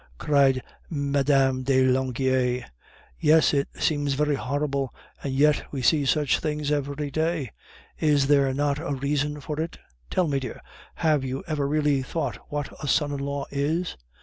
_" said Mme. de Langeais; "yes, it seems very horrible, and yet we see such things every day. Is there not a reason for it? Tell me, dear, have you ever really thought what a son in law is?